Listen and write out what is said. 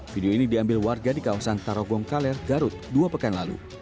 video ini diambil warga di kawasan tarogong kaler garut dua pekan lalu